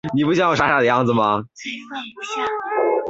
娄杖子乡是中国河北省秦皇岛市青龙满族自治县下辖的一个乡。